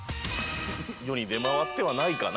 世に出回ってはないかな